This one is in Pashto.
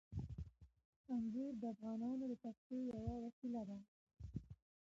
انګور د افغانانو د تفریح یوه وسیله ده.